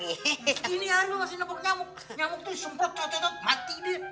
gini anu masih tepok nyamuk nyamuk tuh disumprot catet catet mati be